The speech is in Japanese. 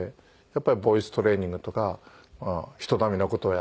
やっぱりボイストレーニングとか人並みの事はやってます。